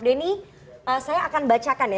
denny saya akan bacakan ya